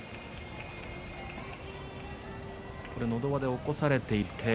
のど輪で起こされていって。